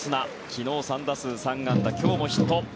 昨日、３打数３安打今日もヒット。